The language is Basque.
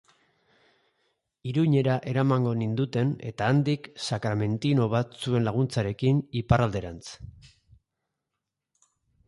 Iruñera eramango ninduten, eta handik, sakramentino batzuen laguntzarekin, Iparralderantz.